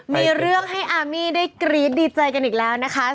มีเรื่องให้อามี่ได้กรี๊ดดีใจกันอีกแล้วนะคะ